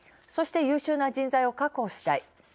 そして、優秀な人材を確保したい。